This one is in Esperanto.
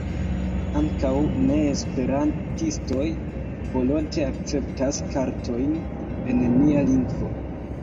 Ankaŭ ne-esperantistoj volonte akceptas kartojn en nia lingvo.